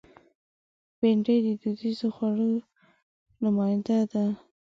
بېنډۍ د دودیزو خوړو نماینده ده